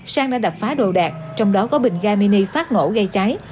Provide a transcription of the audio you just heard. sang đã đập phá đồ đạc trong đó có bình ga mini phát nổ gây cháy